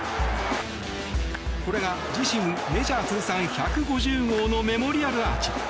これが自身メジャー通算１５０号のメモリアルアーチ。